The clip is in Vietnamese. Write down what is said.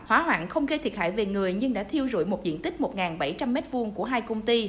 hỏa hoạn không gây thiệt hại về người nhưng đã thiêu rụi một diện tích một bảy trăm linh m hai của hai công ty